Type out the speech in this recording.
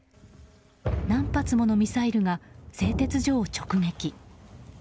何発ものミサイルが製鉄所を直撃。